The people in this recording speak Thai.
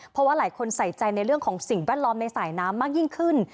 เพราะว่าหลายคนใส่ใจในเรื่องของสิ่งแวดล้อมในสายน้ำมากยิ่งขึ้น